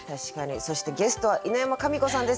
そしてゲストは犬山紙子さんです。